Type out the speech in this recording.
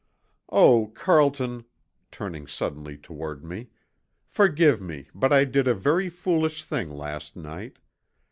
"Oh, Carlton," turning suddenly toward me, "forgive me, but I did a very foolish thing last night.